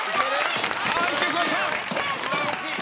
さあいけ、フワちゃん。